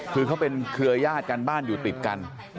คือเขาเป็นเครือยาศกันบ้านอยู่ติดกัน